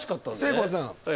せいこうさん